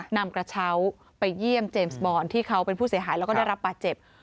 นำกระเช้าไปเยี่ยมเจมส์บอลที่เขาเป็นผู้เสียหายแล้วก็ได้รับบาดเจ็บ